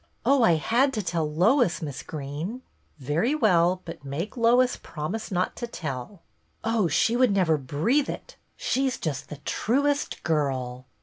" Oh, I had to tell Lois, Miss Greene." " Very well ; but make Lois promise not to tell." " Oh, she would never breathe it ; she 's just the truest girl!"